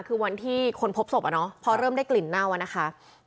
คือวันที่คนพบศพอะเนาะพอเริ่มได้กลิ่นเน่าอะนะคะ